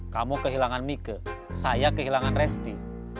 kamu kehilangan mike saya kehilangan resti